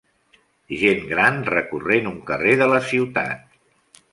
Gent gran recorrent un carrer de la ciutat.